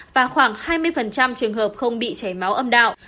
và khoảng hai mươi trường hợp không bị chảy máu âm đạo